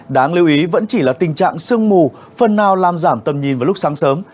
đáng lưu ý vẫn chỉ là tình trạng sương mù phần nào làm giảm tầm nhìn vào lúc sáng sớm